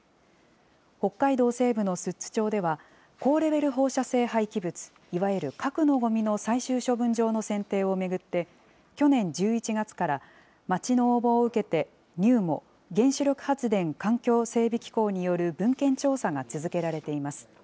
北海道西部の寿都町では、高レベル放射性廃棄物、いわゆる核のごみの最終処分場の選定を巡って、去年１１月から、町の応募を受けて、ＮＵＭＯ・原子力発電環境整備機構による文献調査が続けられています。